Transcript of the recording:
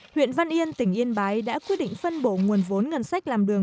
huyện văn yên tỉnh yên bái đã quyết định phân bổ nguồn vốn ngân sách làm đường